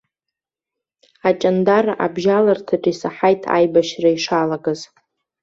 Аҷандара абжьаларҭаҿ исаҳаит аибашьра ишалагаз.